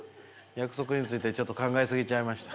約束についてちょっと考え過ぎちゃいました。